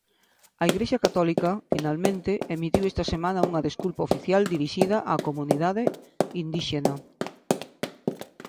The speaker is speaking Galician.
A Igrexa Católica, finalmente, emitiu esta semana unha desculpa oficial dirixida á comunidade indíxena.